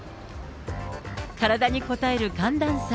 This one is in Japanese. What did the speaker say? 体にこたえる寒暖差。